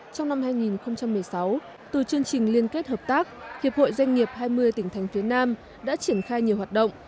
trong năm hai nghìn một mươi sáu từ chương trình liên kết hợp tác hiệp hội doanh nghiệp hai mươi tỉnh thành phía nam đã triển khai nhiều hoạt động